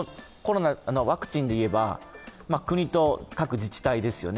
ワクチンでいえば、国と各自治体ですよね。